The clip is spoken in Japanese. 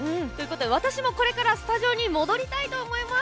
私もこれからスタジオに戻りたいと思います。